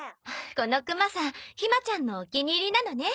このクマさんひまちゃんのお気に入りなのね。